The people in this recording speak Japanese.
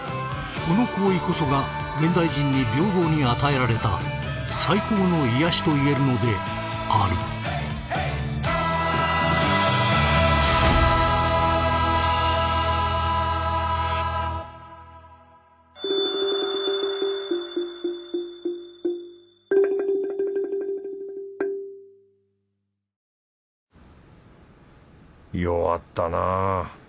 この行為こそが現代人に平等に与えられた最高の癒やしといえるのである弱ったな。